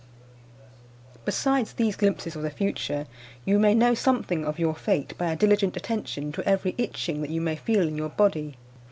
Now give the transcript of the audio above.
Besides these glimpses of the future, you may know something of your fate by a diligent attention to every itching that you may feel in your body.